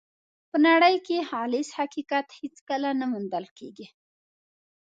په نړۍ کې خالص حقیقت هېڅکله نه موندل کېږي.